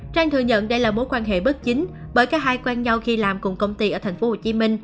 trang thừa nhận đây là mối quan hệ bất chính bởi cả hai quen nhau khi làm cùng công ty ở tp hcm